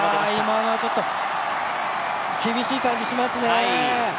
今のはちょっと厳しい感じしますね。